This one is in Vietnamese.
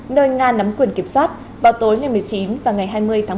nơi nga nắm quyền kiểm soát vào tối một mươi chín và ngày hai mươi tháng một mươi một